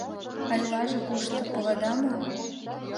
А илаже кушто, паледа мо?